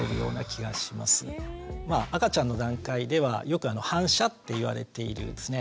まあ赤ちゃんの段階ではよく「反射」っていわれているですね